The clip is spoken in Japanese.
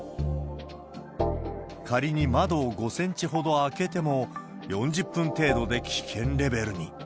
仮に窓を５センチほど開けても、４０分程度で危険レベルに。